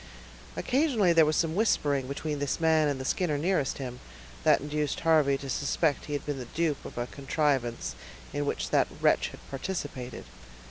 Occasionally there was some whispering between this man and the Skinner nearest him, that induced Harvey to suspect he had been the dupe of a contrivance in which that wretch had participated.